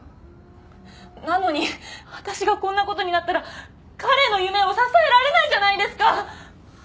なのに私がこんな事になったら彼の夢を支えられないじゃないですか！